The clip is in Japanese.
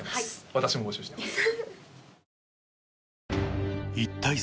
私も募集してます